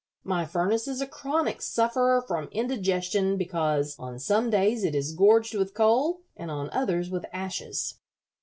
"My furnace is a chronic sufferer from indigestion because on some days it is gorged with coal and on others with ashes.